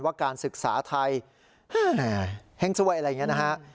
การศึกษาไทยแห้งสวยอะไรอย่างนี้นะฮะ